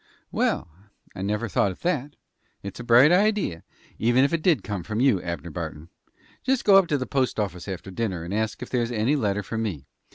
"Well, I never thought of that. It's a bright idee, ef it did come from you, Abner Barton. Jest go up to the postoffice after dinner, and ask if there's any letter for me.